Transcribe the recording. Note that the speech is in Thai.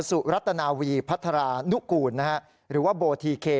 สุรัตนาวีพัฒรานุกูลหรือว่าโบทีเค